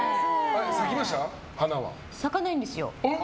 咲かないんですよ。